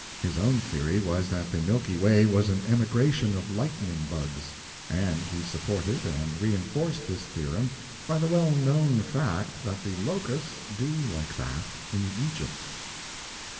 His own theory was that the Milky Way was an emigration of lightning bugs; and he supported and reinforced this theorem by the well known fact that the locusts do like that in Egypt.